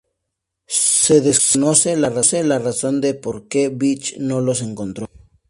Se desconoce la razón de por que Beechey no los encontró.